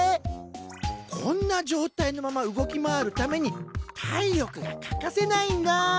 こんな状態のまま動き回るために体力が欠かせないんだ。